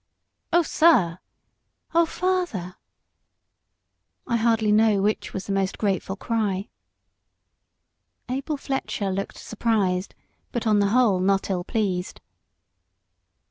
"O sir!" "O father!" I hardly know which was the most grateful cry. Abel Fletcher looked surprised, but on the whole not ill pleased.